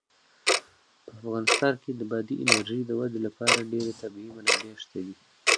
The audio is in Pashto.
په افغانستان کې د بادي انرژي د ودې لپاره ډېرې طبیعي منابع شته دي.